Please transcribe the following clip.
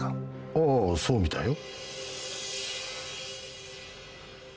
ああそうみたいよ。